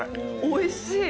おいしい！